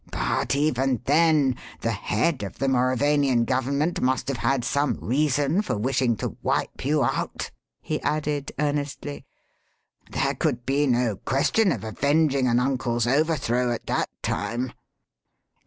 "But even then the head of the Mauravanian Government must have had some reason for wishing to 'wipe you out,'" he added, earnestly. "There could be no question of avenging an uncle's overthrow at that time.